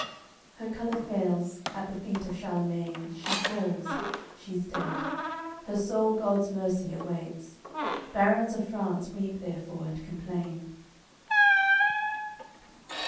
Her colour fails, at th' feet of Charlemain, She falls; she's dead. Her soul God's Mercy awaits! Barons of France weep therefore and complain.